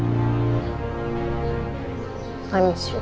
siang silahkan duduk